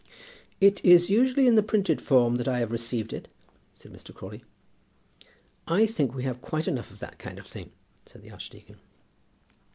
"It is usually in the printed form that I have received it," said Mr. Crawley. "I think we have quite enough of that kind of thing," said the archdeacon.